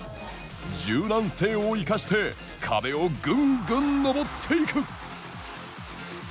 柔軟性を生かして壁をぐんぐん登っていく。